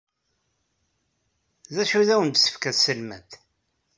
D acu ay awen-d-tefka tselmadt?